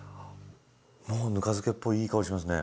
もうぬか漬けっぽいいい香りしますね。